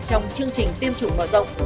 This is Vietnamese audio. trong chương trình tiêm chủng mở rộng